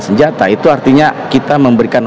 senjata itu artinya kita memberikan